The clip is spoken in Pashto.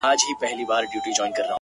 خود به يې اغزی پرهر. پرهر جوړ کړي.